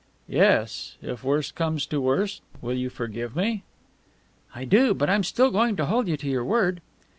"Yes if worse comes to worse. Will you forgive me?" "I do. But still I'm going to hold you to your word."